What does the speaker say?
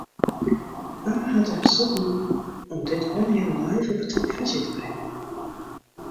Wa hat it beslút nommen om dit allegearre live op 'e telefyzje te bringen?